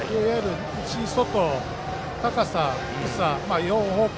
内、外、高さ、低さ４方向